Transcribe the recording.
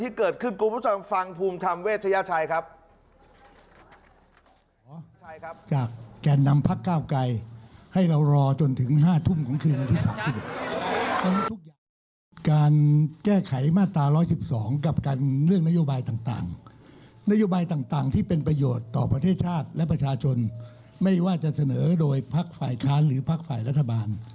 ที่เกิดขึ้นกรุงประสงค์ฟังภูมิธรรมเวชยาชัยครับ